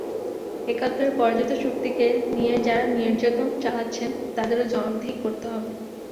একাত্তরের পরাজিত শক্তিকে নিয়ে যাঁরা নির্যাতন চালাচ্ছেন, তাঁদেরও জবাবদিহি করতে হবে।